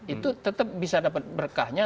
itu tetap bisa dapat berkahnya